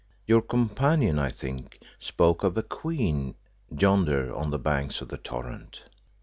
Your companion, I think, spoke of a queen yonder, on the banks of the torrent."